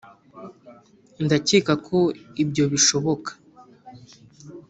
ndakeka ko ibyo bishoboka